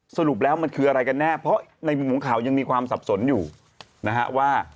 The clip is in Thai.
สรุปแล้วมันคืออะไรกันแน่เพราะในมุมของข่าวยังมีความสับสนอยู่นะฮะว่า